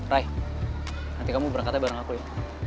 raih nanti kamu berangkatnya bareng aku ya